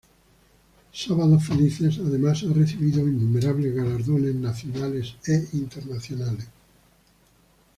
Sábados Felices además ha recibido innumerables galardones nacionales e internacionales.